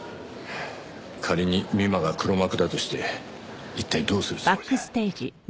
仮に美馬が黒幕だとして一体どうするつもりだ？